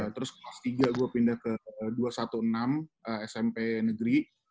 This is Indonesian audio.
terus kelas tiga gue pindah ke dua ratus enam belas smp negeri